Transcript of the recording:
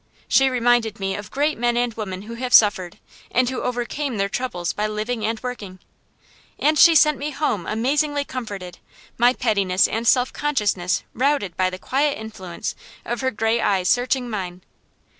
She reminded me of great men and women who have suffered, and who overcame their troubles by living and working. And she sent me home amazingly comforted, my pettiness and self consciousness routed by the quiet influence of her gray eyes searching mine.